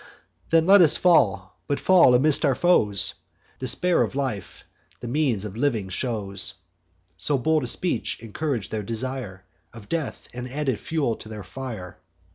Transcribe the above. Then let us fall, but fall amidst our foes: Despair of life the means of living shows.' So bold a speech incourag'd their desire Of death, and added fuel to their fire.